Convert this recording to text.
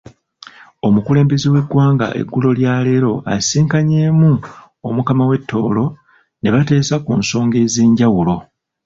Omukulembeze w'eggwanga eggulo lya leero asisinkanyeemu Omukama w'e Tooro, nebateesa ku nsonga ez'enjawulo.